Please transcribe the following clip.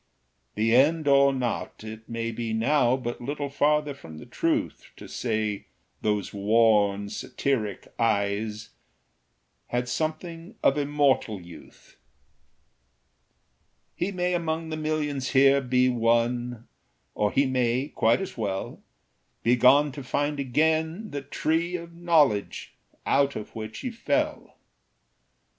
The end or not, it may be now But little farther from the truth To say those worn satiric eyes Had something of immortal youth. He may among the millions here Be one; or he may, quite as well, Be gone to find again the Tree Of Knowledge, out of which he fell.